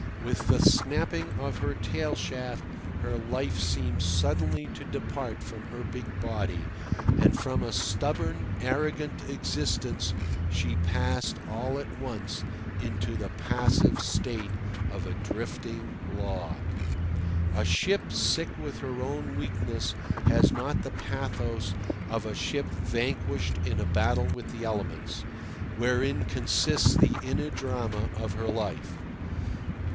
With the snapping of her tail shaft her life seemed suddenly to depart from her big body, and from a stubborn, arrogant existence she passed all at once into the passive state of a drifting log. A ship sick with her own weakness has not the pathos of a ship vanquished in a battle with the elements, wherein consists the inner drama of her life.